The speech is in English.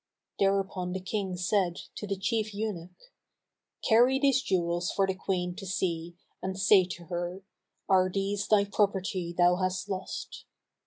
Thereupon the King said to the chief eunuch, "Carry these jewels for the Queen to see, and say to her, 'Are these thy property thou hast lost?'"